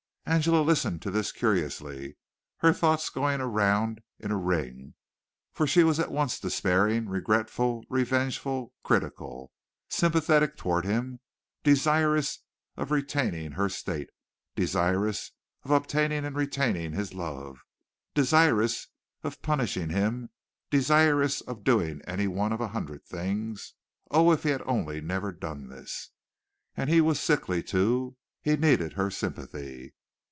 Angela listened to this curiously, her thoughts going around in a ring for she was at once despairing, regretful, revengeful, critical, sympathetic toward him, desirous of retaining her state, desirous of obtaining and retaining his love, desirous of punishing him, desirous of doing any one of a hundred things. Oh, if he had only never done this! And he was sickly, too. He needed her sympathy.